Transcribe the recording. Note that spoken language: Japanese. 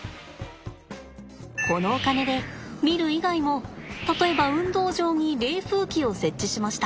このお金でミル以外も例えば運動場に冷風機を設置しました。